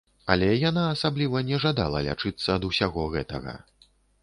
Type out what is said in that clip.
Але яна асабліва не жадала лячыцца ад усяго гэтага.